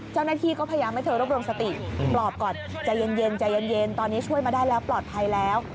เจ้าหน้าที่ก็พยายามให้เธอรวบรวมสติปลอบก่อนใจเย็นใจเย็นตอนนี้ช่วยมาได้แล้วปลอดภัยแล้ว